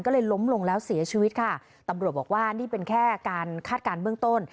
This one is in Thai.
ก็เลยล้มลงแล้วเสียชีวิตค่ะตำรวจบอกว่านี่เป็นแค่การคาดการณ์เบื้องต้น